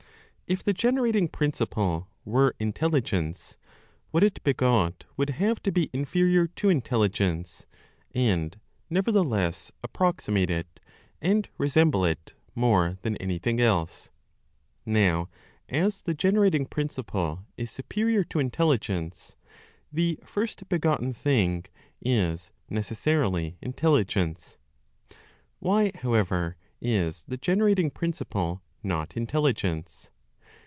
If the generating principle were intelligence, what it begot would have to be inferior to intelligence, and nevertheless approximate it, and resemble it more than anything else. Now as the generating principle is superior to intelligence, the first begotten thing is necessarily intelligence. Why, however, is the generating principle not intelligence?